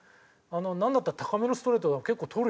なんだったら高めのストレート結構取るよね。